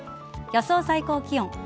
予想最高気温。